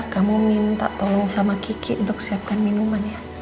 kamu minta tolong sama kiki untuk siapkan minuman ya